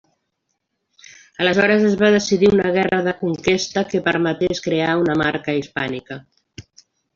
Aleshores es va decidir una guerra de conquesta que permetés crear una Marca hispànica.